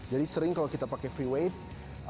jadi sering kalau kita pakai free weights